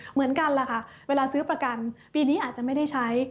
เหมือนกันแหละค่ะเวลาซื้อประกันปีนี้อาจจะไม่ได้ใช้